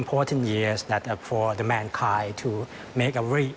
เพื่อให้ความสัมพันธ์ทำการที่สำคัญ